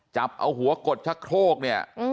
จับเอาหัวกดชักโครกเนี่ย